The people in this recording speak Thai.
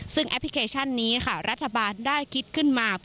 ซึ่งแอปพลิเคชันนี้ค่ะรัฐบาลได้คิดขึ้นมา